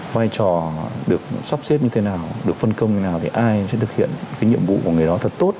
vai trò được sắp xếp như thế nào được phân công như nào thì ai sẽ thực hiện cái nhiệm vụ của người đó thật tốt